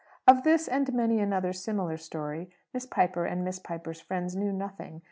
Of this, and many another similar story, Miss Piper and Miss Piper's friends knew nothing.